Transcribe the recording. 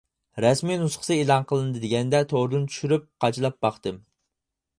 رەسمىي نۇسخىسى ئېلان قىلىندى دېگەندە توردىن چۈشۈرۈپ قاچىلاپ باقتىم.